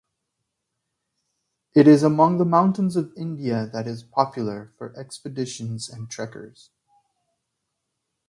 It is among the mountains of India that is popular for expeditions and trekkers.